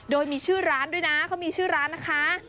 โดยมีชื่อร้านด้วยนะเขามีชื่อร้านนะคะ